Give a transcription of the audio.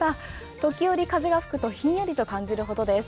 時おり風が吹くとひんやりと感じるほどです。